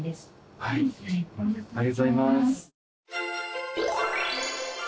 ありがとうございます。